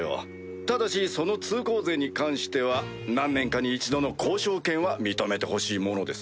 ただしその通行税に関しては何年かに一度の交渉権は認めてほしいものです。